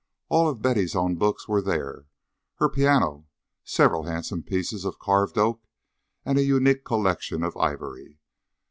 All of Betty's own books were there, her piano, several handsome pieces of carved oak, and a unique collection of ivory.